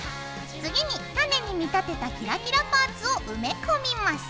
次に種に見立てたキラキラパーツを埋め込みます。